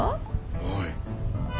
おい。